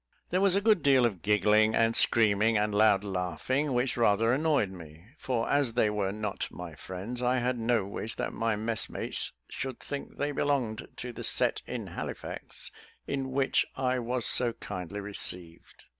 There was a good deal of giggling, and screaming, and loud laughing, which rather annoyed me; for as they were not my friends, I had no wish that my messmates should think they belonged to that set in Halifax in which I was so kindly received.